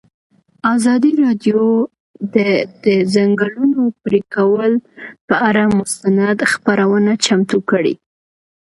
ازادي راډیو د د ځنګلونو پرېکول پر اړه مستند خپرونه چمتو کړې.